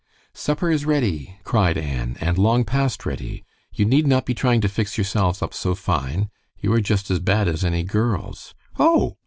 "Supper is ready," cried Annie, "and long past ready. You need not be trying to fix yourselves up so fine. You are just as bad as any girls. Oh!"